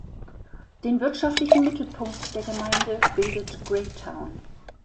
Den wirtschaftlichen Mittelpunkt der Gemeinde bildet Greytown.